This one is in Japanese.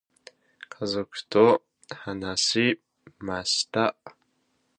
家族と話しました。